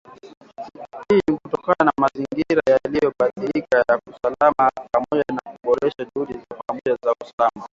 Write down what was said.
Hii ni kutokana na mazingira yaliyo badilika ya kiusalama, pamoja na kuboresha juhudi za pamoja za usalama